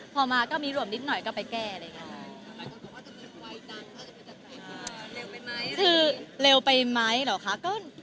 หโรครับแต่ว่า